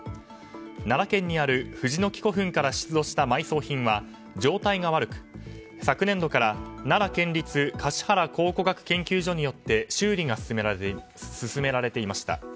奈良県にある藤ノ木古墳から出土した埋葬品は状態が悪く、昨年度から奈良県立橿原考古学研究所によって修理が進められていました。